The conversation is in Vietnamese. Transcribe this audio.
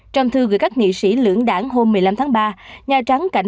trong thư gửi các nghị sĩ lưỡng đảng hôm một mươi năm tháng ba